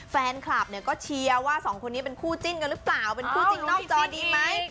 แฟนคลับเนี่ยก็เชียร์ว่าสองคนนี้เป็นคู่จิ้นกันหรือเปล่าเป็นคู่จริงนอกจอดีไหม